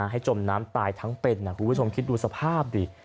จมน้ำตายทั้งเป็นคุณผู้ชมคิดดูสภาพดิ